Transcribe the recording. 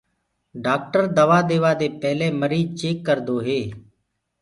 ڊآڪٽر دوآ ديوآ دي پيلي ميرج چيڪ ڪردو هي۔